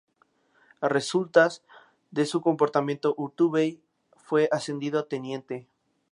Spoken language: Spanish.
A resultas de su comportamiento, Urtubey fue ascendido a teniente.